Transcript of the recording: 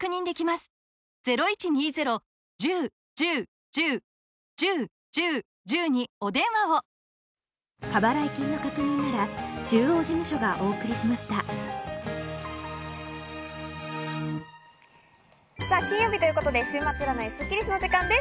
日中の気温は金曜日ということで週末占いスッキりすの時間です。